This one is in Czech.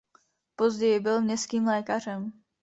Později byl městským lékařem.